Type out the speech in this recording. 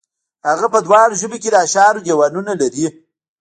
هغه په دواړو ژبو کې د اشعارو دېوانونه لري.